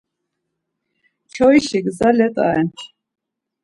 Kyoişi gza let̆a ren.